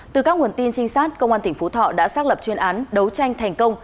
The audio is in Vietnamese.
từ các nguồn tin trinh sát công an tỉnh phú thọ đã xác lập chuyên án đấu tranh thành công